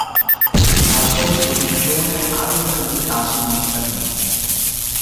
Ha a sua disposizione altre due case negli Stati Uniti.